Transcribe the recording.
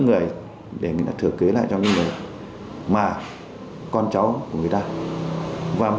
người ta ly dị ly hôn chẳng hạn